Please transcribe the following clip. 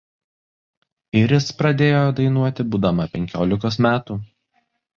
Iris pradėjo dainuoti būdama penkiolikos metų.